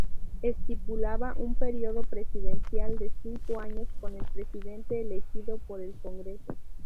Estipulaba un periodo presidencial de cinco años, con el presidente elegido por el Congreso.